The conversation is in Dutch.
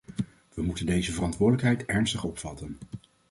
We moeten deze verantwoordelijkheid ernstig opvatten.